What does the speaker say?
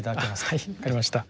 あっはいわかりました。